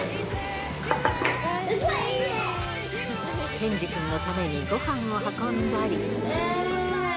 ケンジくんのためにごはんを運んだり。